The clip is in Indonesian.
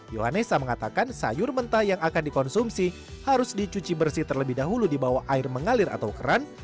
yohanesa mengatakan sayur mentah yang akan dikonsumsi harus dicuci bersih terlebih dahulu di bawah air mengalir atau keran